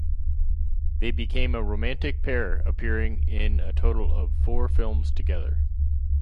They became a romantic pair appearing in a total of four films together.